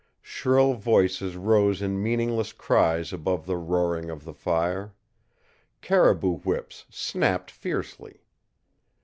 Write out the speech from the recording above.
Shrill voices rose in meaningless cries above the roaring of the fire. Caribou whips snapped fiercely.